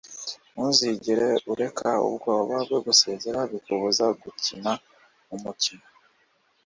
Ntuzigere ureka ubwoba bwo gusezerera bikubuza gukina umukino.”